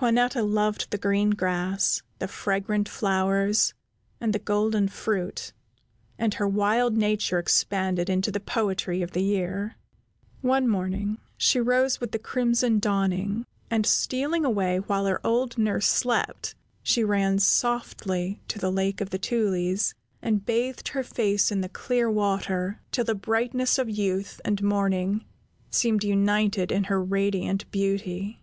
Juanetta loved the green grass, the fragrant flowers, and the golden fruit, and her wild nature expanded into the poetry of the year. One morning she rose with the crimson dawning, and, stealing away while her old nurse slept, she ran softly to the Lake of the Tulies, and bathed her face in the clear water till the brightness of youth and morning seemed united in her radiant beauty.